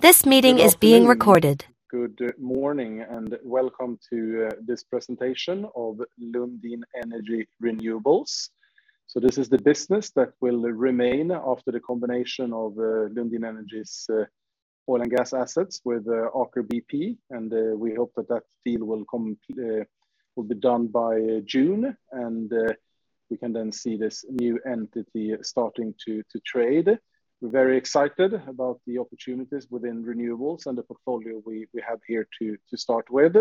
Good morning, and welcome to this presentation of Lundin Energy Renewables. This is the business that will remain after the combination of Lundin Energy's oil and gas assets with Aker BP, and we hope that that deal will be done by June, and we can then see this new entity starting to trade. We're very excited about the opportunities within renewables and the portfolio we have here to start with.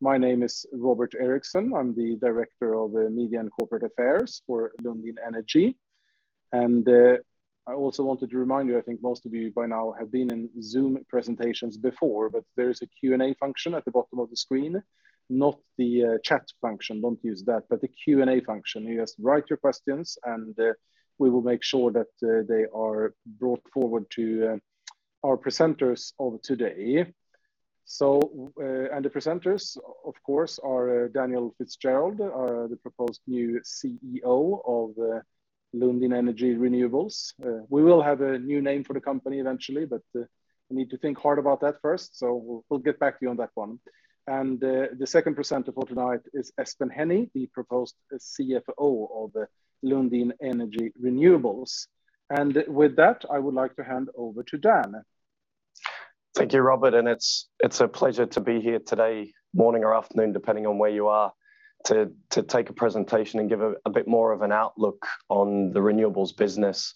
My name is Robert Eriksson. I'm the Director of Media and Corporate Affairs for Lundin Energy. I also wanted to remind you, I think most of you by now have been in Zoom presentations before, but there is a Q&A function at the bottom of the screen, not the chat function. Don't use that, but the Q&A function. You just write your questions and we will make sure that they are brought forward to our presenters of today. The presenters, of course, are Daniel Fitzgerald, the proposed new CEO of Lundin Energy Renewables. We will have a new name for the company eventually, but we need to think hard about that first, so we'll get back to you on that one. The second presenter for tonight is Espen Hennie, the proposed CFO of Lundin Energy Renewables. With that, I would like to hand over to Dan. Thank you, Robert, and it's a pleasure to be here today, morning or afternoon, depending on where you are, to take a presentation and give a bit more of an outlook on the renewables business.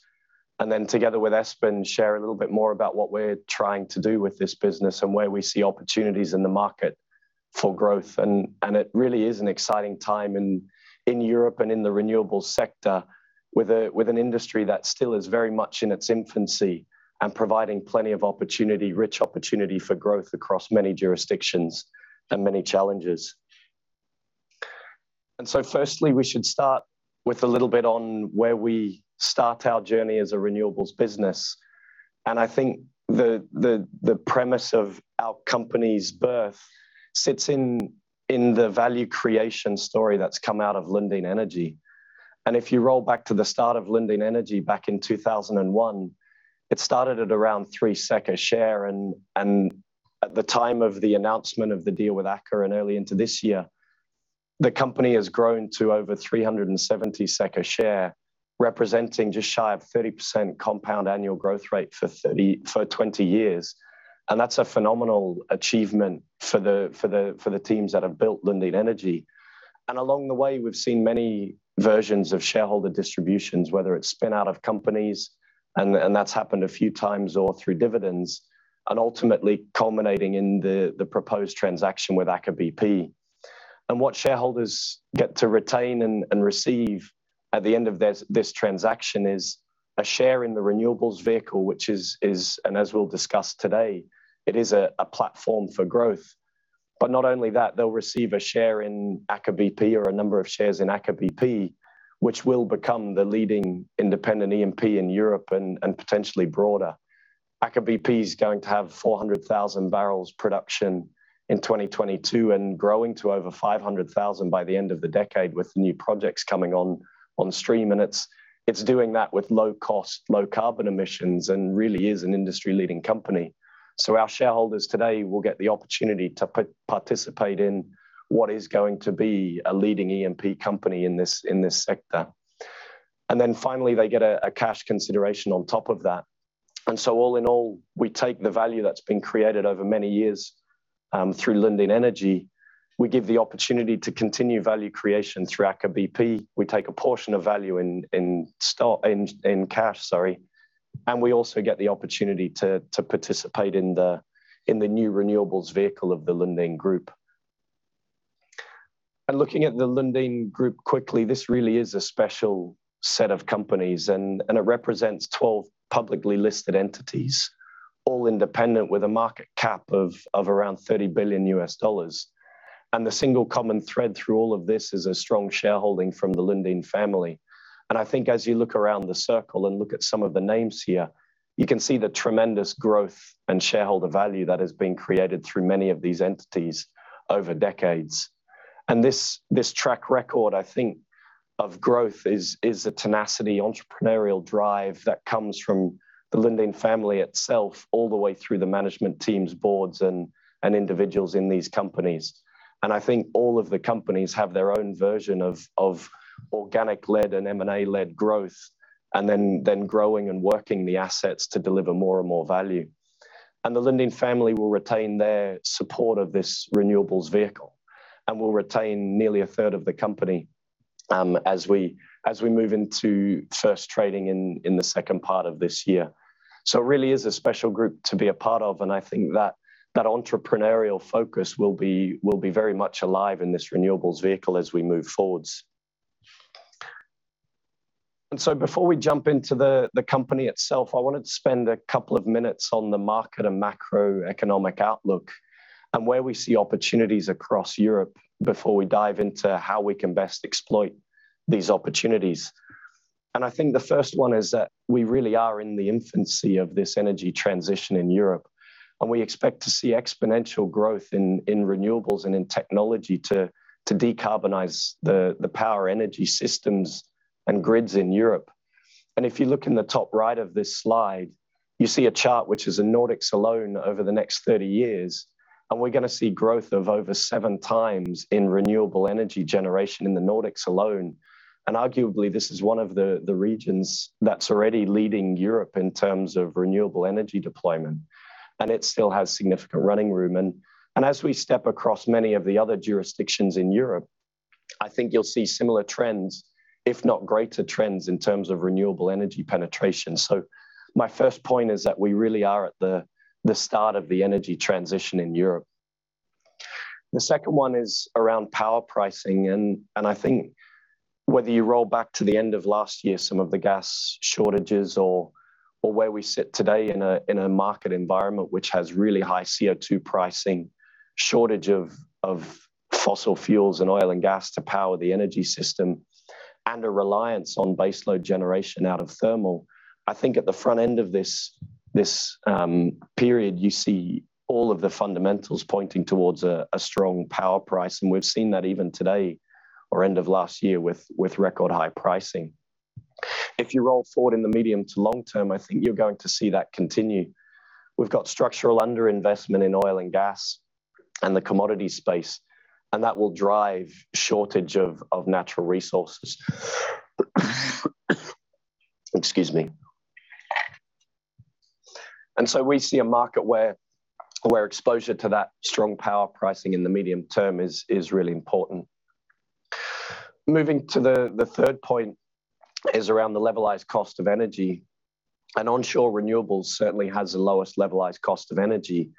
Together with Espen, share a little bit more about what we're trying to do with this business and where we see opportunities in the market for growth. It really is an exciting time in Europe and in the renewables sector with an industry that still is very much in its infancy and providing plenty of opportunity, rich opportunity for growth across many jurisdictions and many challenges. Firstly, we should start with a little bit on where we start our journey as a renewables business. I think the premise of our company's birth sits in the value creation story that's come out of Lundin Energy. If you roll back to the start of Lundin Energy back in 2001, it started at around 3 SEK a share and at the time of the announcement of the deal with Aker BP early into this year, the company has grown to over 370 SEK a share, representing just shy of 30% compound annual growth rate for 20 years. That's a phenomenal achievement for the teams that have built Lundin Energy. Along the way, we've seen many versions of shareholder distributions, whether it's spin-out of companies, and that's happened a few times or through dividends, and ultimately culminating in the proposed transaction with Aker BP. What shareholders get to retain and receive at the end of this transaction is a share in the renewables vehicle, which, as we'll discuss today, is a platform for growth. Not only that, they'll receive a share in Aker BP or a number of shares in Aker BP, which will become the leading independent E&P in Europe and potentially broader. Aker BP is going to have 400,000 bbl production in 2022 and growing to over 500,000 bbl by the end of the decade with new projects coming on stream. It's doing that with low cost, low carbon emissions and really is an industry-leading company. Our shareholders today will get the opportunity to participate in what is going to be a leading E&P company in this sector. Then finally, they get a cash consideration on top of that. So all in all, we take the value that's been created over many years through Lundin Energy. We give the opportunity to continue value creation through Aker BP. We take a portion of value in cash, sorry, and we also get the opportunity to participate in the new renewables vehicle of the Lundin Group. Looking at the Lundin Group quickly, this really is a special set of companies and it represents 12 publicly listed entities, all independent with a market cap of around $30 billion. The single common thread through all of this is a strong shareholding from the Lundin family. I think as you look around the circle and look at some of the names here, you can see the tremendous growth and shareholder value that has been created through many of these entities over decades. This track record, I think, of growth is a tenacious entrepreneurial drive that comes from the Lundin family itself all the way through the management teams, boards, and individuals in these companies. I think all of the companies have their own version of organic-led and M&A-led growth, and then growing and working the assets to deliver more and more value. The Lundin family will retain their support of this renewables vehicle and will retain nearly 1/3 of the company, as we move into first trading in the second part of this year. It really is a special group to be a part of, and I think that entrepreneurial focus will be very much alive in this renewables vehicle as we move forward. Before we jump into the company itself, I wanted to spend a couple of minutes on the market and macroeconomic outlook and where we see opportunities across Europe before we dive into how we can best exploit these opportunities. I think the first one is that we really are in the infancy of this energy transition in Europe, and we expect to see exponential growth in renewables and in technology to decarbonize the power energy systems and grids in Europe. If you look in the top right of this slide, you see a chart which is in Nordics alone over the next 30 years, and we're gonna see growth of over 7x in renewable energy generation in the Nordics alone. Arguably, this is one of the regions that's already leading Europe in terms of renewable energy deployment, and it still has significant running room. As we step across many of the other jurisdictions in Europe, I think you'll see similar trends, if not greater trends in terms of renewable energy penetration. My first point is that we really are at the start of the energy transition in Europe. The second one is around power pricing and I think whether you roll back to the end of last year, some of the gas shortages or where we sit today in a market environment which has really high CO2 pricing, shortage of fossil fuels and oil and gas to power the energy system and a reliance on baseload generation out of thermal. I think at the front end of this period, you see all of the fundamentals pointing towards a strong power price, and we've seen that even today or end of last year with record high pricing. If you roll forward in the medium to long-term, I think you're going to see that continue. We've got structural underinvestment in oil and gas and the commodity space, and that will drive shortage of natural resources. Excuse me. We see a market where exposure to that strong power pricing in the medium-term is really important. Moving to the third point is around the levelized cost of energy, and onshore renewables certainly has the lowest levelized cost of energy.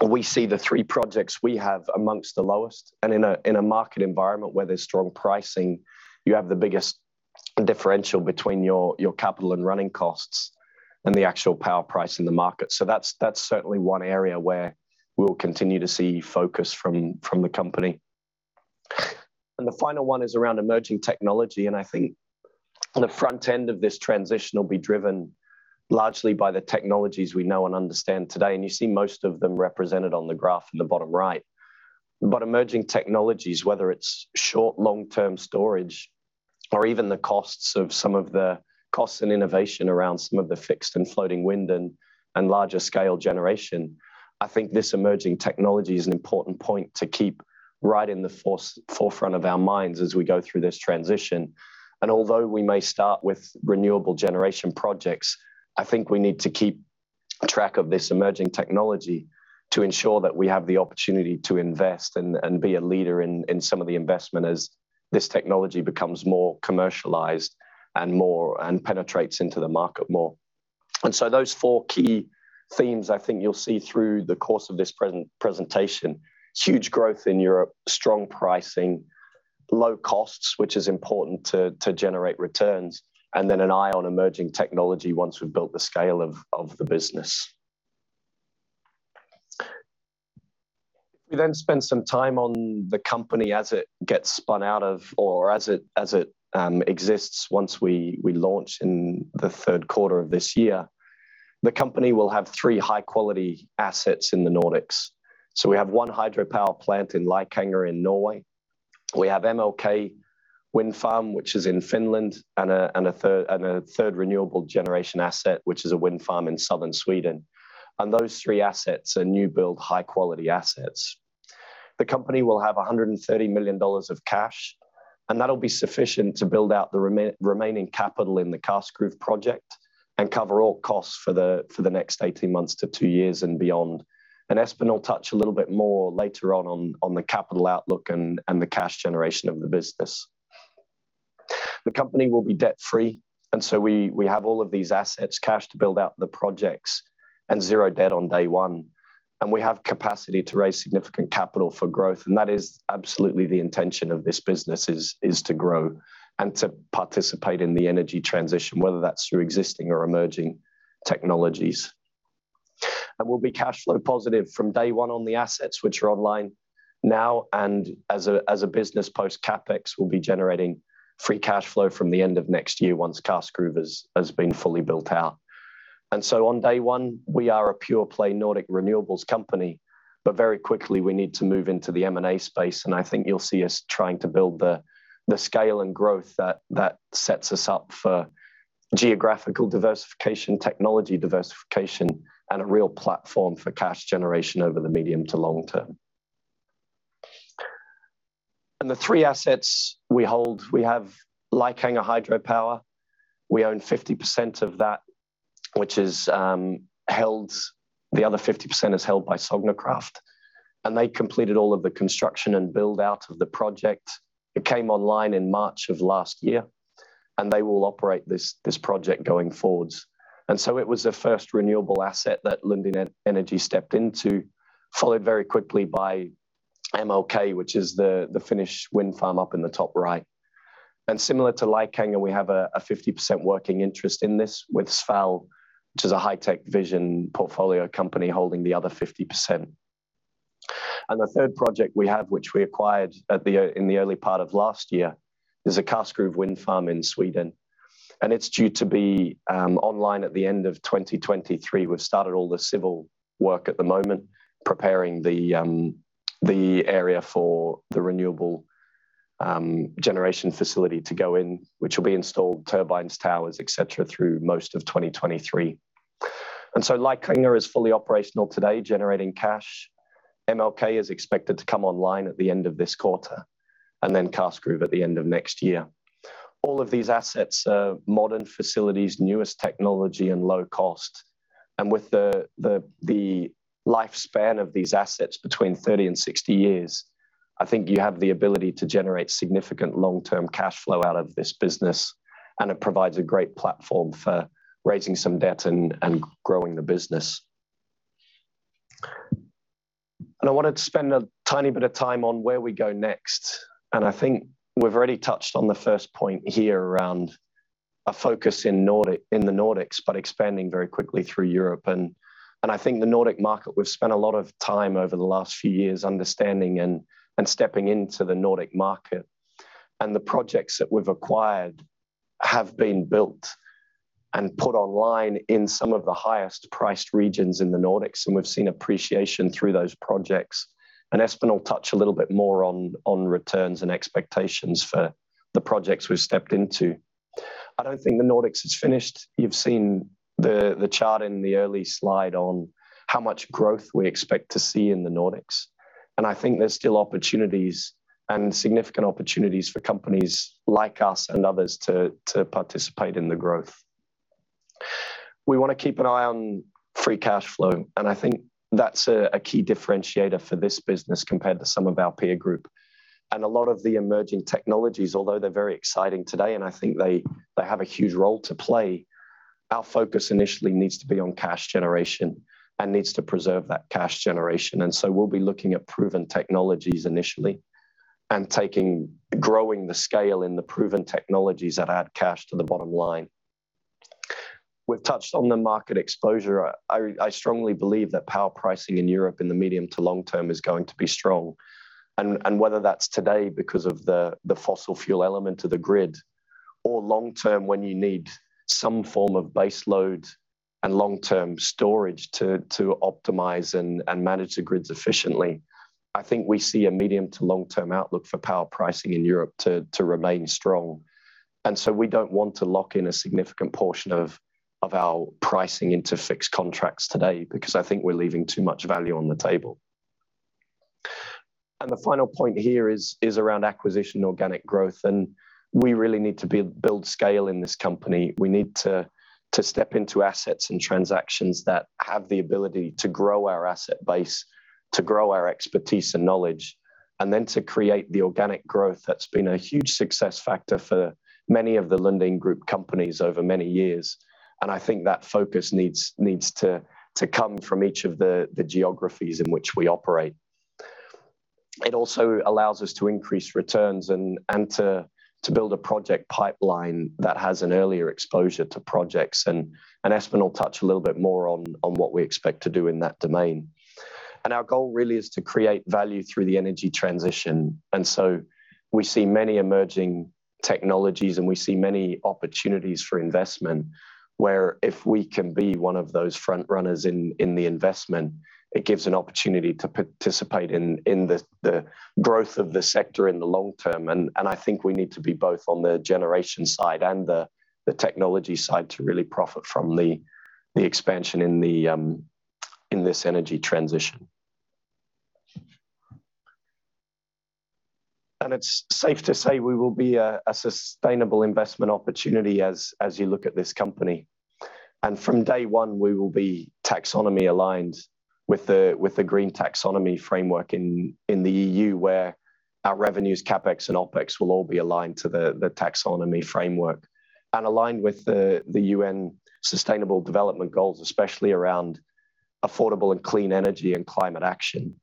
We see the three projects we have among the lowest. In a market environment where there's strong pricing, you have the biggest differential between your capital and running costs and the actual power price in the market. That's certainly one area where we'll continue to see focus from the company. The final one is around emerging technology, and I think the front end of this transition will be driven largely by the technologies we know and understand today, and you see most of them represented on the graph in the bottom right. Emerging technologies, whether it's short, long-term storage or even the costs of some of the costs and innovation around some of the fixed and floating wind and larger scale generation, I think this emerging technology is an important point to keep right in the forefront of our minds as we go through this transition. Although we may start with renewable generation projects, I think we need to keep track of this emerging technology to ensure that we have the opportunity to invest and be a leader in some of the investment as this technology becomes more commercialized and penetrates into the market more. Those four key themes I think you'll see through the course of this presentation. Huge growth in Europe, strong pricing, low costs, which is important to generate returns, and then an eye on emerging technology once we've built the scale of the business. We then spend some time on the company as it gets spun out of or as it exists once we launch in the third quarter of this year. The company will have three high-quality assets in the Nordics.So we have one hydropower plant in Leikanger in Norway. We have MLK Wind Farm, which is in Finland, and a third renewable generation asset, which is a wind farm in southern Sweden. Those three assets are new build high-quality assets. The company will have $130 million of cash, and that'll be sufficient to build out the remaining capital in the Karskruv project and cover all costs for the next 18 months to two years and beyond. Espen will touch a little bit more later on the capital outlook and the cash generation of the business. The company will be debt-free, and so we have all of these assets, cash to build out the projects and zero debt on day one. We have capacity to raise significant capital for growth, and that is absolutely the intention of this business is to grow and to participate in the energy transition, whether that's through existing or emerging technologies. We'll be cash flow positive from day one on the assets which are online now and as a business post CapEx, we'll be generating free cash flow from the end of next year once Karskruv has been fully built out. On day one, we are a pure play Nordic renewables company. Very quickly, we need to move into the M&A space, and I think you'll see us trying to build the scale and growth that sets us up for geographical diversification, technology diversification, and a real platform for cash generation over the medium to long-term. The three assets we hold, we have Leikanger hydropower. We own 50% of that. The other 50% is held by Sognekraft. They completed all of the construction and build-out of the project. It came online in March of last year, and they will operate this project going forward. It was the first renewable asset that Lundin Energy stepped into, followed very quickly by MLK, which is the Finnish wind farm up in the top right. Similar to Leikanger, we have a 50% working interest in this with Sval, which is a HitecVision portfolio company holding the other 50%. The third project we have, which we acquired in the early part of last year, is the Karskruv Wind Farm in Sweden. It's due to be online at the end of 2023. We've started all the civil work at the moment, preparing the area for the renewable generation facility to go in, which will be installed turbines, towers, et cetera, through most of 2023. Leikanger is fully operational today, generating cash. MLK is expected to come online at the end of this quarter, and then Karskruv at the end of next year. All of these assets are modern facilities, newest technology and low cost. With the lifespan of these assets between 30-60 years, I think you have the ability to generate significant long-term cash flow out of this business, and it provides a great platform for raising some debt and growing the business. I wanted to spend a tiny bit of time on where we go next. I think we've already touched on the first point here around a focus in the Nordics, but expanding very quickly through Europe. I think the Nordic market, we've spent a lot of time over the last few years understanding and stepping into the Nordic market. The projects that we've acquired have been built and put online in some of the highest priced regions in the Nordics, and we've seen appreciation through those projects. Espen will touch a little bit more on returns and expectations for the projects we've stepped into. I don't think the Nordics is finished. You've seen the chart in the early slide on how much growth we expect to see in the Nordics. I think there's still opportunities and significant opportunities for companies like us and others to participate in the growth. We wanna keep an eye on free cash flow, and I think that's a key differentiator for this business compared to some of our peer group. A lot of the emerging technologies, although they're very exciting today and I think they have a huge role to play, our focus initially needs to be on cash generation and needs to preserve that cash generation. We'll be looking at proven technologies initially and growing the scale in the proven technologies that add cash to the bottom line. We've touched on the market exposure. I strongly believe that power pricing in Europe in the medium to long-term is going to be strong. Whether that's today because of the fossil fuel element of the grid, or long-term when you need some form of base load and long-term storage to optimize and manage the grids efficiently. I think we see a medium to long-term outlook for power pricing in Europe to remain strong. We don't want to lock in a significant portion of our pricing into fixed contracts today because I think we're leaving too much value on the table. The final point here is around acquisition organic growth, and we really need to build scale in this company. We need to step into assets and transactions that have the ability to grow our asset base, to grow our expertise and knowledge, and then to create the organic growth that's been a huge success factor for many of the Lundin Group companies over many years. I think that focus needs to come from each of the geographies in which we operate. It also allows us to increase returns and to build a project pipeline that has an earlier exposure to projects. Espen will touch a little bit more on what we expect to do in that domain. Our goal really is to create value through the energy transition. We see many emerging technologies and we see many opportunities for investment where if we can be one of those front runners in the investment, it gives an opportunity to participate in the growth of the sector in the long term. I think we need to be both on the generation side and the technology side to really profit from the expansion in this energy transition. It's safe to say we will be a sustainable investment opportunity as you look at this company. From day one, we will be taxonomy aligned with the green taxonomy framework in the EU, where our revenues, CapEx and OpEx will all be aligned to the taxonomy framework and aligned with the UN Sustainable Development Goals, especially around affordable and clean energy and climate action.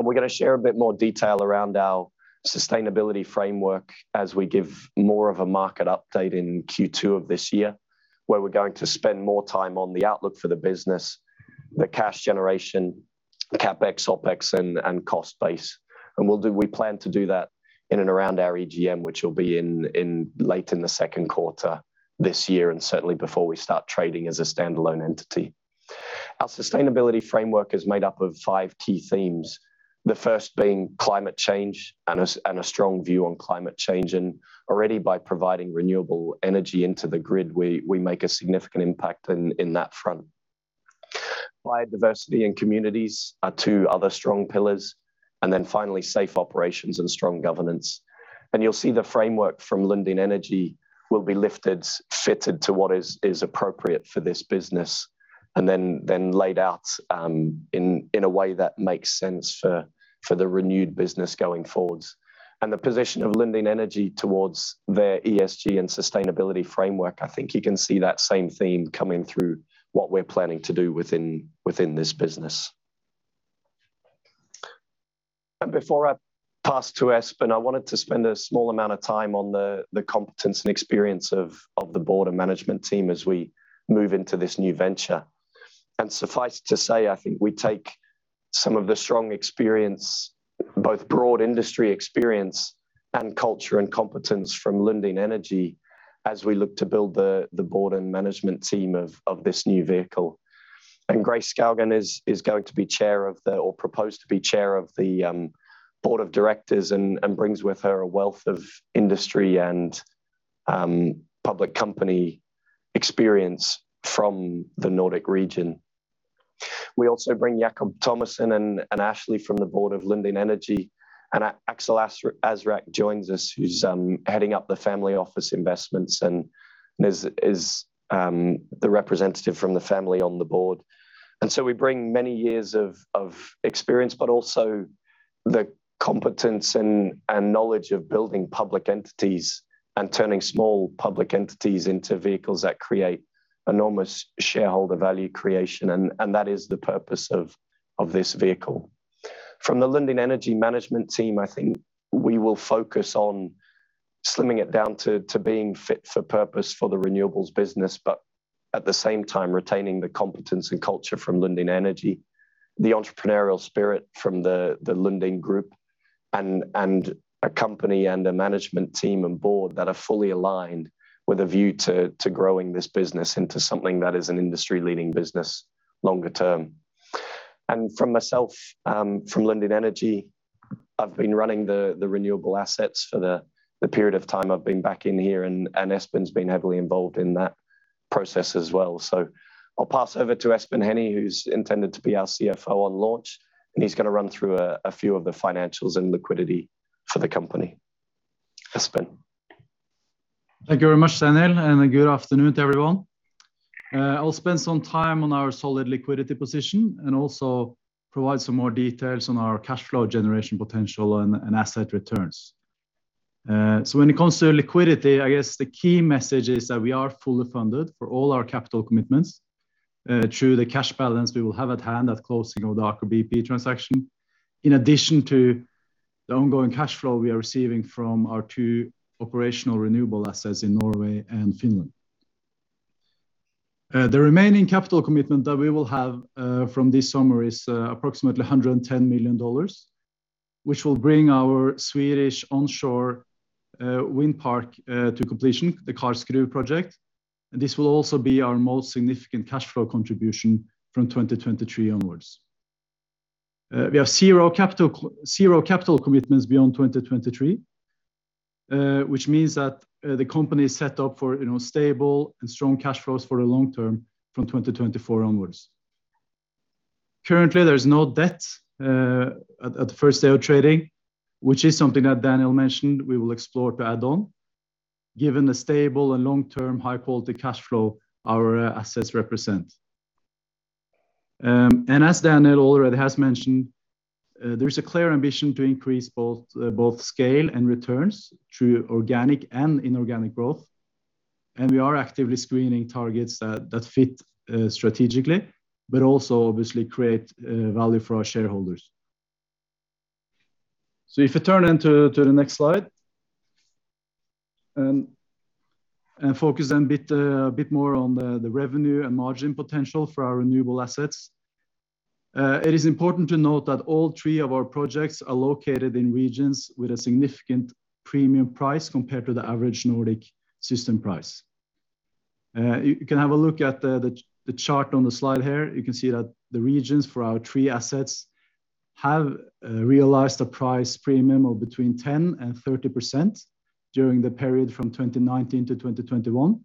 We're gonna share a bit more detail around our sustainability framework as we give more of a market update in Q2 of this year, where we're going to spend more time on the outlook for the business, the cash generation, CapEx, OpEx and cost base. We plan to do that in and around our EGM, which will be in late in the second quarter this year, and certainly before we start trading as a standalone entity. Our sustainability framework is made up of five key themes. The first being climate change and a strong view on climate change, and already by providing renewable energy into the grid, we make a significant impact in that front. Biodiversity and communities are two other strong pillars, and then finally, safe operations and strong governance. You'll see the framework from Lundin Energy will be lifted, fitted to what is appropriate for this business, and then laid out in a way that makes sense for the renewed business going forwards. The position of Lundin Energy towards their ESG and sustainability framework, I think you can see that same theme coming through what we're planning to do within this business. Before I pass to Espen, I wanted to spend a small amount of time on the competence and experience of the Board and Management team as we move into this new venture. Suffice to say, I think we take some of the strong experience both broad industry experience and culture and competence from Lundin Energy as we look to build the board and management team of this new vehicle. Grace Skaugen is proposed to be Chair of the Board of Directors and brings with her a wealth of industry and public company experience from the Nordic region. We also bring Jakob Thomasen and Ashley from the Board of Lundin Energy. Aksel Azrac joins us, who's heading up the family office investments and is the representative from the family on the Board. We bring many years of experience, but also the competence and knowledge of building public entities and turning small public entities into vehicles that create enormous shareholder value creation. That is the purpose of this vehicle. From the Lundin Energy management team, I think we will focus on slimming it down to being fit for purpose for the renewables business, but at the same time retaining the competence and culture from Lundin Energy, the entrepreneurial spirit from the Lundin Group and a company and a management team and board that are fully aligned with a view to growing this business into something that is an industry-leading business longer-term. From myself, from Lundin Energy, I've been running the renewable assets for the period of time I've been back in here and Espen's been heavily involved in that process as well. I'll pass over to Espen Hennie, who's intended to be our CFO on launch, and he's gonna run through a few of the financials and liquidity for the company. Espen. Thank you very much, Daniel, and good afternoon to everyone. I'll spend some time on our solid liquidity position and also provide some more details on our cash flow generation potential and asset returns. When it comes to liquidity, I guess the key message is that we are fully funded for all our capital commitments through the cash balance we will have at hand at closing of the Aker BP transaction. In addition to the ongoing cash flow we are receiving from our two operational renewable assets in Norway and Finland. The remaining capital commitment that we will have from this summer is approximately $110 million, which will bring our Swedish onshore wind park to completion, the Karskruv project. This will also be our most significant cash flow contribution from 2023 onwards. We have zero capital commitments beyond 2023, which means that the company is set up for, you know, stable and strong cash flows for the long-term from 2024 onwards. Currently, there is no debt at the first day of trading, which is something that Daniel mentioned we will explore to add on, given the stable and long-term high-quality cash flow our assets represent. As Daniel already has mentioned, there is a clear ambition to increase both scale and returns through organic and inorganic growth, and we are actively screening targets that fit strategically, but also obviously create value for our shareholders. If you turn to the next slide and focus then a bit more on the revenue and margin potential for our renewable assets. It is important to note that all three of our projects are located in regions with a significant premium price compared to the average Nordic system price. You can have a look at the chart on the slide here. You can see that the regions for our three assets have realized a price premium of between 10%-30% during the period from 2019-2021.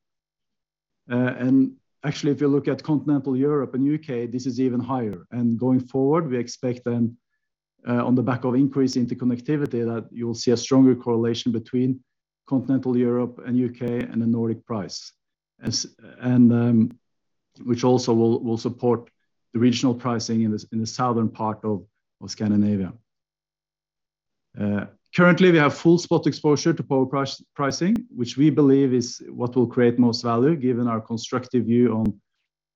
Actually, if you look at continental Europe and U.K., this is even higher. Going forward, we expect then, on the back of increase interconnectivity, that you will see a stronger correlation between continental Europe and U.K. and the Nordic price, which also will support the regional pricing in the southern part of Scandinavia. Currently, we have full spot exposure to power pricing, which we believe is what will create most value, given our constructive view on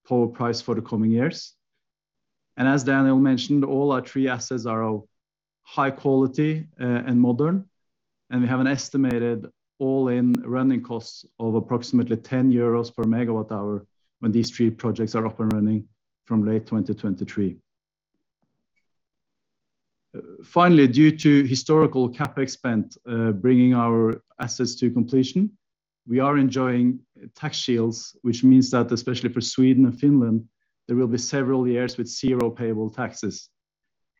power price for the coming years. As Daniel mentioned, all our three assets are of high quality, and modern, and we have an estimated all-in running costs of approximately 10 euros per megawatt hour when these three projects are up and running from late 2023. Finally, due to historical CapEx spend, bringing our assets to completion, we are enjoying tax shields, which means that, especially for Sweden and Finland, there will be several years with zero payable taxes,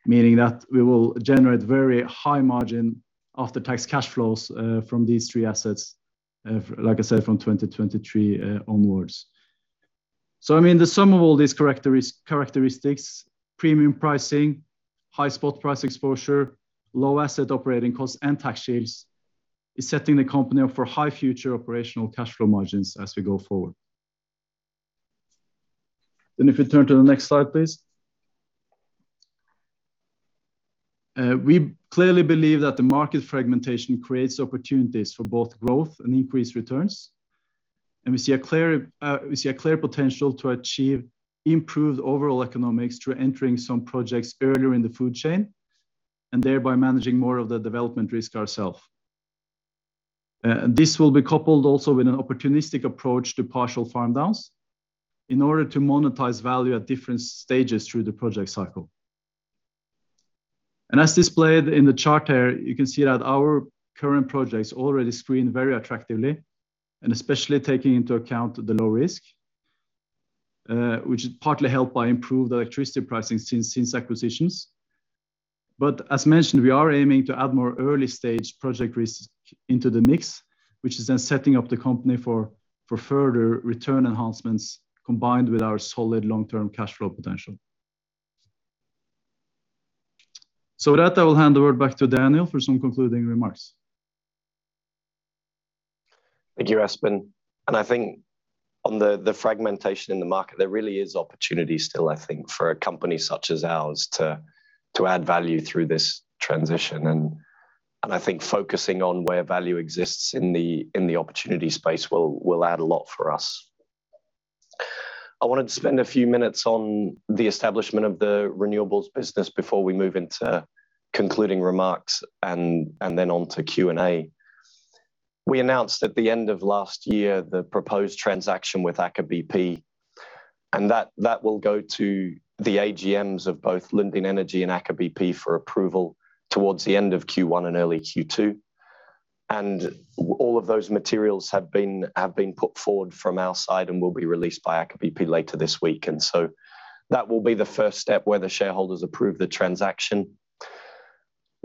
meaning that we will generate very high margin after tax cash flows from these three assets, like I said, from 2023 onwards. I mean, the sum of all these characteristics, premium pricing, high spot price exposure, low asset operating costs, and tax shields, is setting the company up for high future operational cash flow margins as we go forward. If we turn to the next slide, please. We clearly believe that the market fragmentation creates opportunities for both growth and increased returns. We see a clear potential to achieve improved overall economics through entering some projects earlier in the value chain and thereby managing more of the development risk ourselves. This will be coupled also with an opportunistic approach to partial farm-downs in order to monetize value at different stages through the project cycle. As displayed in the chart here, you can see that our current projects already screen very attractively, and especially taking into account the low risk, which is partly helped by improved electricity pricing since acquisitions. As mentioned, we are aiming to add more early-stage project risk into the mix, which is then setting up the company for further return enhancements combined with our solid long-term cash flow potential. With that, I will hand over back to Daniel for some concluding remarks. Thank you, Espen. I think on the fragmentation in the market, there really is opportunity still, I think, for a company such as ours to add value through this transition. I think focusing on where value exists in the opportunity space will add a lot for us. I wanted to spend a few minutes on the establishment of the renewables business before we move into concluding remarks and then on to Q&A. We announced at the end of last year the proposed transaction with Aker BP, and that will go to the AGMs of both Lundin Energy and Aker BP for approval towards the end of Q1 and early Q2. All of those materials have been put forward from our side and will be released by Aker BP later this week. That will be the first step where the shareholders approve the transaction.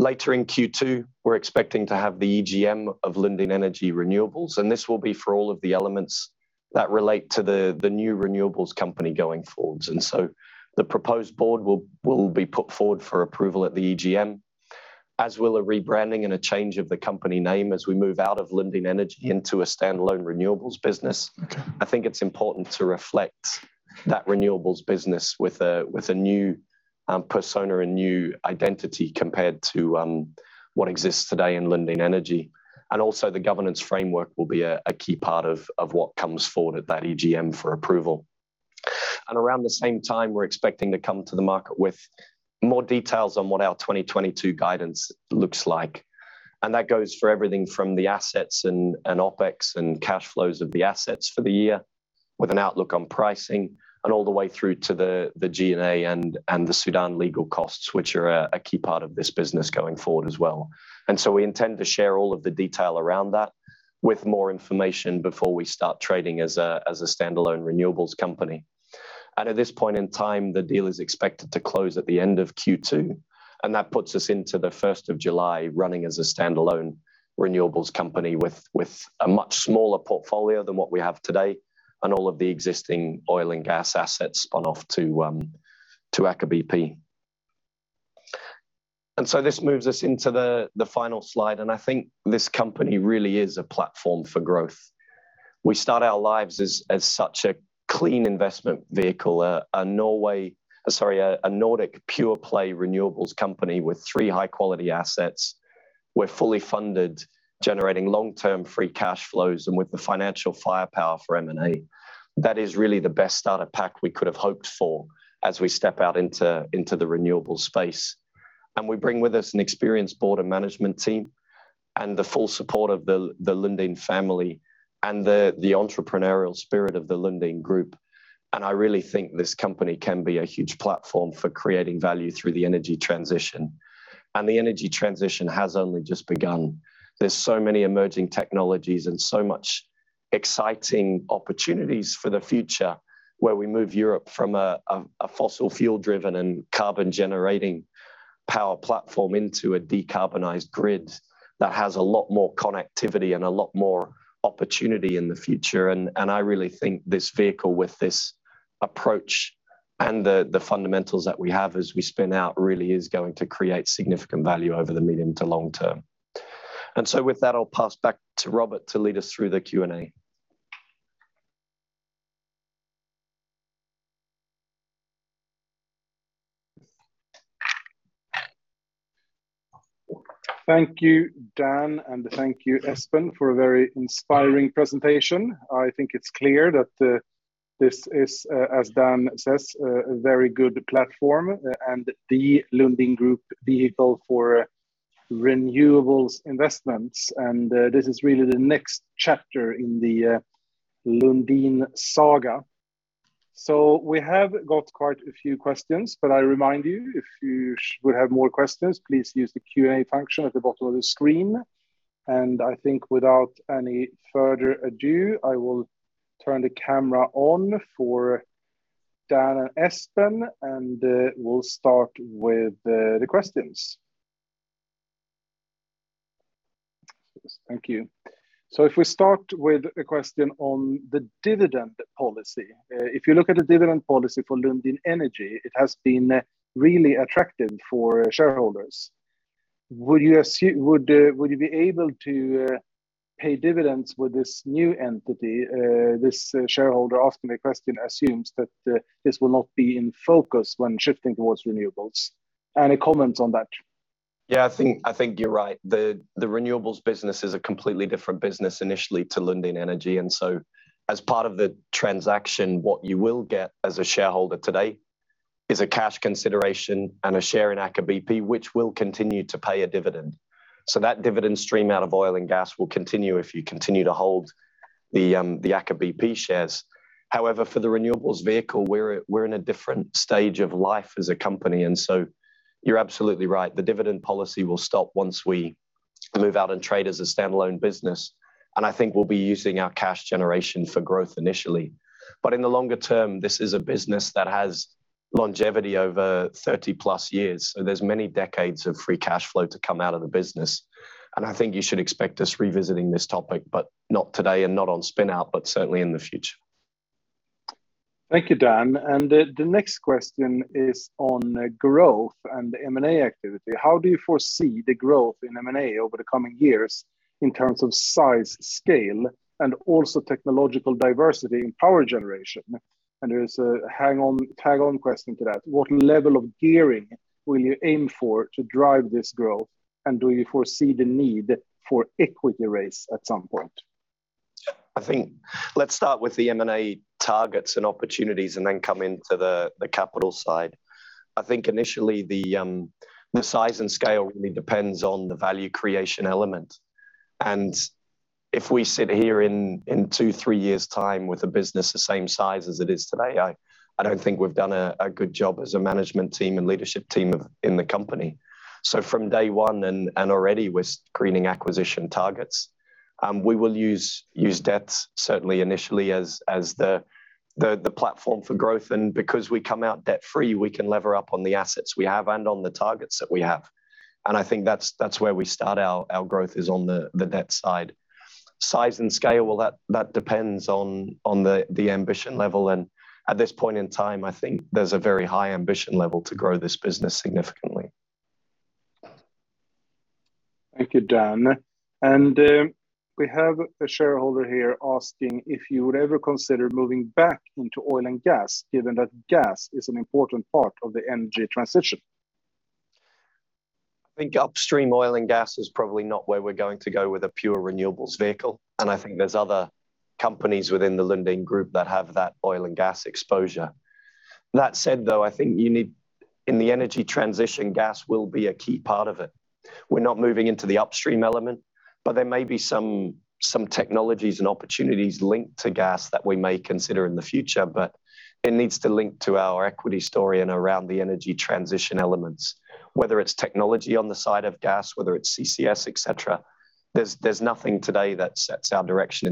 Later in Q2, we're expecting to have the EGM of Lundin Energy Renewables, and this will be for all of the elements that relate to the new renewables company going forwards. The proposed Board will be put forward for approval at the EGM, as will a rebranding and a change of the company name as we move out of Lundin Energy into a standalone renewables business. I think it's important to reflect that Renewables business with a new persona and new identity compared to what exists today in Lundin Energy. The governance framework will be a key part of what comes forward at that EGM for approval. Around the same time, we're expecting to come to the market with more details on what our 2022 guidance looks like. That goes for everything from the assets and OpEx and cash flows of the assets for the year, with an outlook on pricing and all the way through to the G&A and the Sudan legal costs, which are a key part of this business going forward as well. We intend to share all of the detail around that with more information before we start trading as a standalone renewables company. At this point in time, the deal is expected to close at the end of Q2, and that puts us into the first of July running as a standalone renewables company with a much smaller portfolio than what we have today, and all of the existing oil and gas assets spun off to Aker BP. This moves us into the final slide, and I think this company really is a platform for growth. We start our lives as such a clean investment vehicle, a Nordic pure-play renewables company with three high-quality assets. We're fully funded, generating long-term free cash flows and with the financial firepower for M&A. That is really the best starter pack we could have hoped for as we step out into the renewables space. We bring with us an experienced board and management team and the full support of the Lundin family and the entrepreneurial spirit of the Lundin Group. I really think this company can be a huge platform for creating value through the energy transition. The energy transition has only just begun. There's so many emerging technologies and so much exciting opportunities for the future, where we move Europe from a a fossil fuel driven and carbon generating power platform into a decarbonized grid that has a lot more connectivity and a lot more opportunity in the future. I really think this vehicle with this approach and the fundamentals that we have as we spin out really is going to create significant value over the medium to long-term. With that, I'll pass back to Robert to lead us through the Q&A. Thank you, Dan, and thank you, Espen, for a very inspiring presentation. I think it's clear that this is, as Dan says, a very good platform and the Lundin Group vehicle for renewables investments. This is really the next chapter in the Lundin saga. We have got quite a few questions, but I remind you, if you would have more questions, please use the Q&A function at the bottom of the screen. I think without any further ado, I will turn the camera on for Dan and Espen, and we'll start with the questions. Thank you. If we start with a question on the dividend policy. If you look at the dividend policy for Lundin Energy, it has been really attractive for shareholders. Would you be able to pay dividends with this new entity? This shareholder asking the question assumes that this will not be in focus when shifting towards renewables. Any comments on that? Yeah, I think you're right. The renewables business is a completely different business initially to Lundin Energy. As part of the transaction, what you will get as a shareholder today is a cash consideration and a share in Aker BP, which will continue to pay a dividend. That dividend stream out of oil and gas will continue if you continue to hold the Aker BP shares. However, for the renewables vehicle, we're in a different stage of life as a company. You're absolutely right. The dividend policy will stop once we move out and trade as a standalone business, and I think we'll be using our cash generation for growth initially. In the longer-term, this is a business that has longevity over 30+ years, so there's many decades of free cash flow to come out of the business. I think you should expect us revisiting this topic, but not today and not on spin-out, but certainly in the future. Thank you, Dan. The next question is on growth and M&A activity. How do you foresee the growth in M&A over the coming years in terms of size, scale, and also technological diversity in power generation? There is a tag-on question to that. What level of gearing will you aim for to drive this growth, and do you foresee the need for equity raise at some point? I think let's start with the M&A targets and opportunities and then come into the capital side. I think initially the size and scale really depends on the value creation element. If we sit here in two, three years time with a business the same size as it is today, I don't think we've done a good job as a management team and leadership team of the company. From day one and already we're screening acquisition targets, we will use debt certainly initially as the platform for growth. Because we come out debt-free, we can lever up on the assets we have and on the targets that we have. I think that's where we start our growth is on the debt side. Size and scale, well, that depends on the ambition level and at this point in time, I think there's a very high ambition level to grow this business significantly. Thank you, Dan. We have a shareholder here asking if you would ever consider moving back into oil and gas, given that gas is an important part of the energy transition. I think upstream oil and gas is probably not where we're going to go with a pure renewables vehicle, and I think there's other companies within the Lundin Group that have that oil and gas exposure. That said, though, I think you need. In the energy transition, gas will be a key part of it. We're not moving into the upstream element, but there may be some technologies and opportunities linked to gas that we may consider in the future. It needs to link to our equity story and around the energy transition elements, whether it's technology on the side of gas, whether it's CCS, et cetera. There's nothing today that sets our direction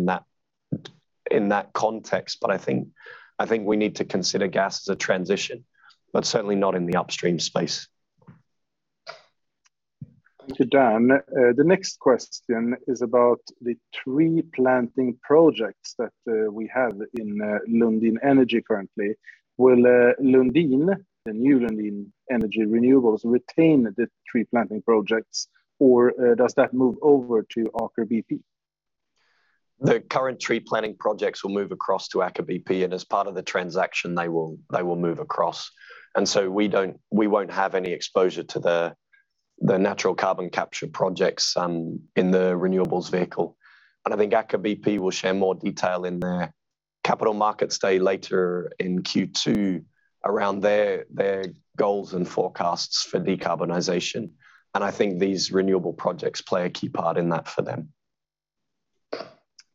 in that context. I think we need to consider gas as a transition, but certainly not in the upstream space. Thank you, Dan. The next question is about the tree planting projects that we have in Lundin Energy currently. Will Lundin, the new Lundin Energy Renewables, retain the tree planting projects, or does that move over to Aker BP? The current tree planting projects will move across to Aker BP, and as part of the transaction, they will move across. We won't have any exposure to the natural carbon capture projects in the renewables vehicle. I think Aker BP will share more detail in their Capital Markets Day later in Q2 around their goals and forecasts for decarbonization, and I think these renewable projects play a key part in that for them.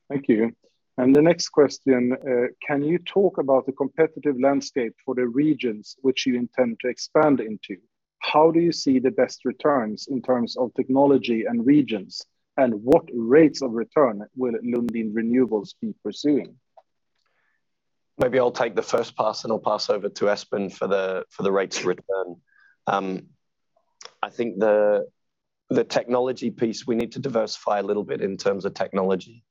Thank you. The next question, can you talk about the competitive landscape for the regions which you intend to expand into? How do you see the best returns in terms of technology and regions, and what rates of return will Lundin Renewables be pursuing? Maybe I'll take the first pass, then I'll pass over to Espen for the rates of return. I think the technology piece, we need to diversify a little bit in terms of technology,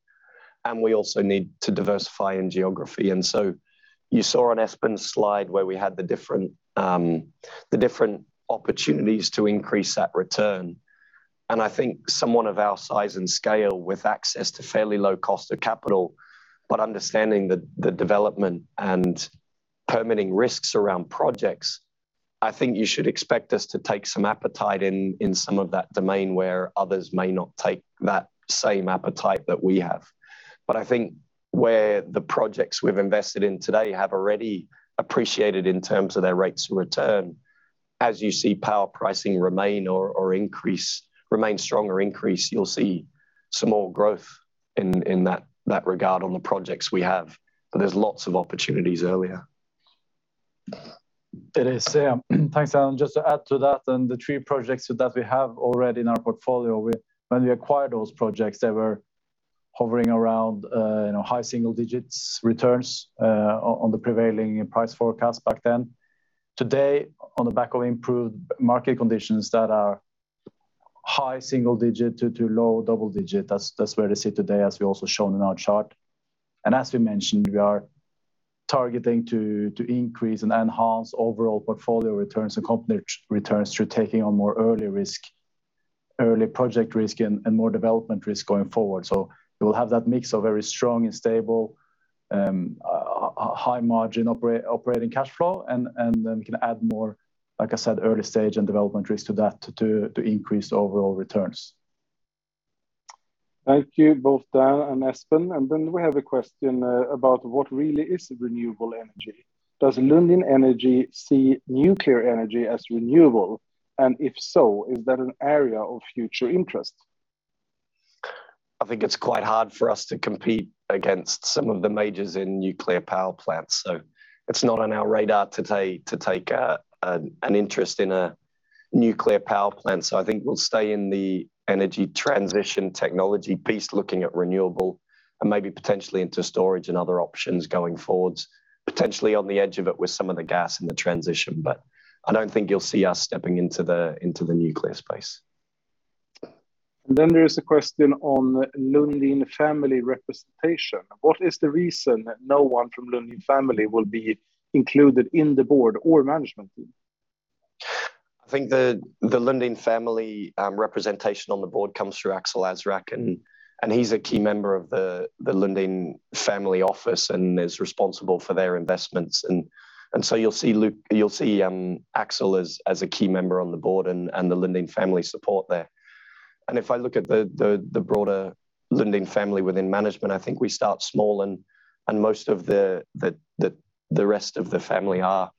and we also need to diversify in geography. You saw on Espen's slide where we had the different opportunities to increase that return. I think someone of our size and scale with access to fairly low cost of capital, but understanding the development and permitting risks around projects, I think you should expect us to take some appetite in some of that domain where others may not take that same appetite that we have. I think where the projects we've invested in today have already appreciated in terms of their rates of return, as you see power pricing remain strong or increase, you'll see some more growth in that regard on the projects we have. There's lots of opportunities earlier. It is. Yeah. Thanks, Dan. Just to add to that, and the three projects that we have already in our portfolio, when we acquired those projects, they were hovering around, you know, high single digits returns on the prevailing price forecast back then. Today, on the back of improved market conditions that are high single digit to low double digit, that's where they sit today as we also shown in our chart. And as we mentioned, we are targeting to increase and enhance overall portfolio returns and company returns through taking on more early risk, early project risk and more development risk going forward. We will have that mix of very strong and stable, high margin operating cash flow. we can add more, like I said, early stage and development risk to that to increase overall returns. Thank you both Dan and Espen. We have a question about what really is a renewable energy. Does Lundin Energy see nuclear energy as renewable? If so, is that an area of future interest? I think it's quite hard for us to compete against some of the majors in nuclear power plants. It's not on our radar today to take an interest in a nuclear power plant. I think we'll stay in the energy transition technology piece looking at renewable and maybe potentially into storage and other options going forwards. Potentially on the edge of it with some of the gas in the transition. I don't think you'll see us stepping into the nuclear space. There is a question on Lundin family representation. What is the reason that no one from Lundin family will be included in the Board or Management team? I think the Lundin family representation on the board comes through Aksel Azrac and he's a key member of the Lundin family office and is responsible for their investments and so you'll see Aksel as a key member on the board and the Lundin family support there. If I look at the broader Lundin family within management, I think we start small and most of the rest of the family are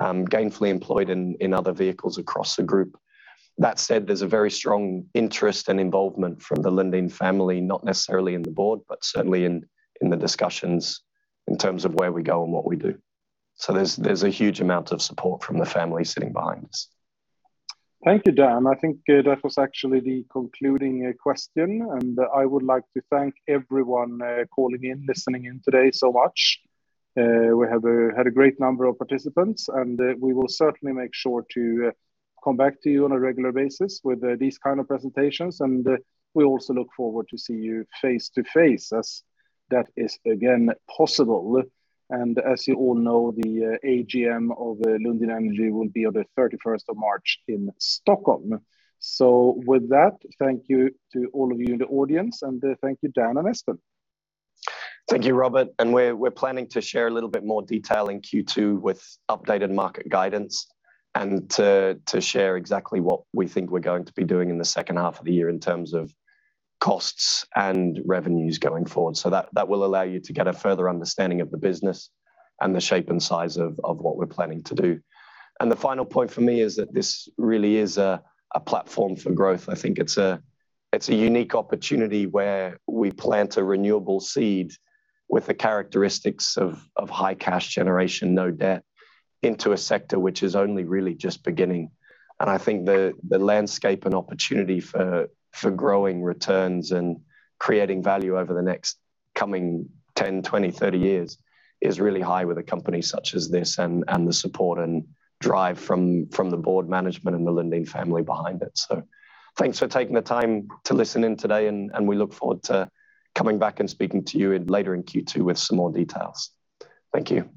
gainfully employed in other vehicles across the group. That said, there's a very strong interest and involvement from the Lundin family, not necessarily in the Board, but certainly in the discussions in terms of where we go and what we do. There's a huge amount of support from the family sitting behind us. Thank you, Dan. I think that was actually the concluding question. I would like to thank everyone calling in, listening in today so much. We had a great number of participants, and we will certainly make sure to come back to you on a regular basis with these kind of presentations. We also look forward to see you face-to-face as that is again possible. As you all know, the AGM of Lundin Energy will be on the 31st of March in Stockholm. With that, thank you to all of you in the audience, and thank you Dan and Espen. Thank you, Robert. We're planning to share a little bit more detail in Q2 with updated market guidance and to share exactly what we think we're going to be doing in the second half of the year in terms of costs and revenues going forward. That will allow you to get a further understanding of the business and the shape and size of what we're planning to do. The final point for me is that this really is a platform for growth. I think it's a unique opportunity where we plant a renewable seed with the characteristics of high cash generation, no debt, into a sector which is only really just beginning. I think the landscape and opportunity for growing returns and creating value over the next coming 10, 20, 30 years is really high with a company such as this and the support and drive from the board management and the Lundin family behind it. Thanks for taking the time to listen in today, and we look forward to coming back and speaking to you later in Q2 with some more details. Thank you.